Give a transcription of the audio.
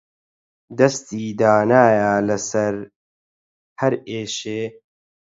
دەستی دانایە لەسەر هەر ئێشێ